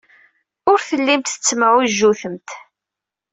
Ur tellimt tettemɛujjutemt.